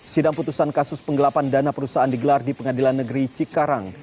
sidang putusan kasus penggelapan dana perusahaan digelar di pengadilan negeri cikarang